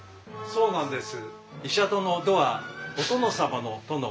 そうなんです。